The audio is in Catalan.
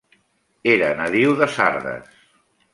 Era nadiu de Sardes.